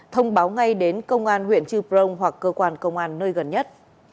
thông báo ngay đến công an huyện trư prong hoặc cơ quan công an nơi gần nhất